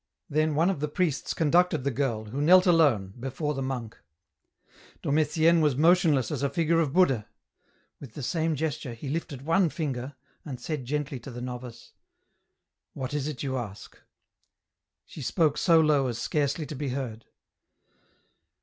Then one of the priests conducted the girl, who knelt alone, before the monk. Dom Etienne was motionless as a figure of Buddha ; with the same gesture, he lifted one finger, and said gently to the novice, —" What is it you ask ?" She spoke so low as scarcely to be heard.